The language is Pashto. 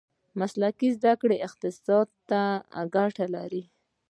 مسلکي زده کړې اقتصاد ته ګټه لري.